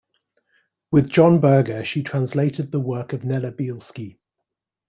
With John Berger, she translated the work of Nella Bielski.